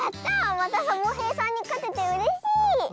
またサボへいさんにかててうれしい！